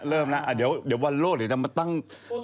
เริ่มแล้วเดี๋ยววันโลกเดี๋ยวจะมาตั้ง